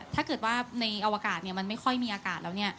ถ้าเกิดว่าในอวกาศมันไม่ค่อยมีอากาศแล้ว